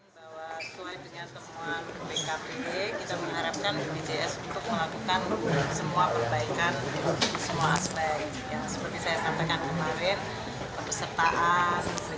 selain penyusulan bpkp kita mengharapkan bpjs untuk melakukan semua perbaikan